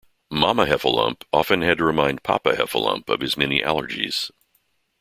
Mama Heffalump often had to remind Papa Heffalump of his many allergies.